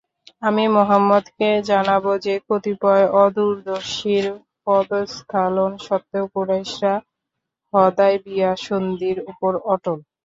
আমি মুহাম্মাদকে জানাব যে, কতিপয় অদূরদর্শীর পদস্খলন সত্ত্বেও কুরাইশরা হদায়বিয়া সন্ধির উপর অটল।